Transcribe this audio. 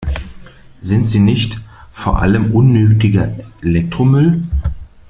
Sind sie nicht vor allem unnötiger Elektromüll?